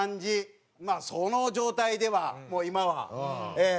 まあその状態では今はええ。